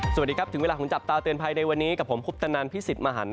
สวัสดีครับถึงเวลาของจับตาเตือนภัยในวันนี้กับผมคุปตนันพิสิทธิ์มหัน